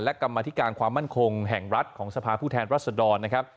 และกรรมธิการความมั่นคงแห่งรัฐของสภาผู้แทนรัศดรนะครับ